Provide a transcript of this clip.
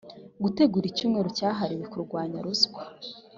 gutegura icyumweru cyahariwe kurwanya ruswa